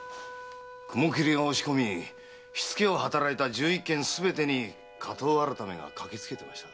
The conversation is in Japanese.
雲切が押し込み火付けをはたらいた十一軒すべてに火盗改が駆け付けてました。